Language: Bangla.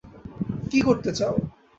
কী করতে চাও!